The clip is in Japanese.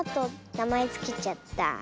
なまえつけちゃった。